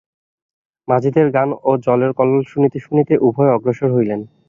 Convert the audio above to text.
মাঝিদের গান ও জলের কল্লোল শুনিতে শুনিতে উভয়ে অগ্রসর হইলেন।